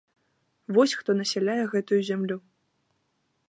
Вось хто насяляе гэтую зямлю.